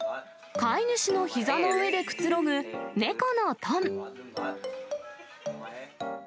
飼い主のひざの上でくつろぐ猫のトン。